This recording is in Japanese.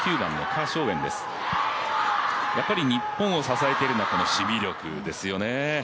日本を支えているのはこの守備力ですよね。